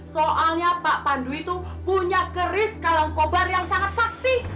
soalnya pak pandu itu punya keris kalangkobar yang sangat pakti